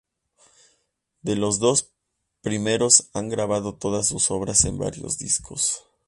De los dos primeros han grabado todas sus obras en varios discos.